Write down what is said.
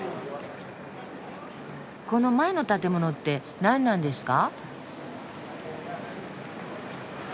この前の建物って何なんですか？